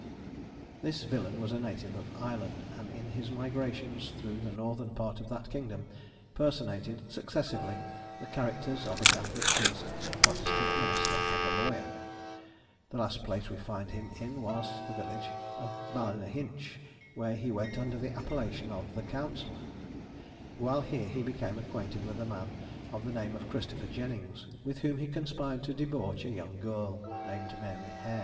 This villain was a native of Ireland; and in his migrations through the northern part of that kingdom, personated, successively, the characters of a Catholic priest, a Protestant minister, and a lawyer. The last place we find him in was the village of Ballinahinch, where he went under the appellation of The Counsellor. While here he became acquainted with a man of the name of Christopher Jennings, with whom he conspired to debauch a young girl, named Mary Hair.